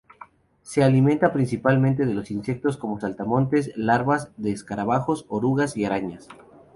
Se alimenta principalmente de insectos, como saltamontes, larvas de escarabajos, orugas y arañas.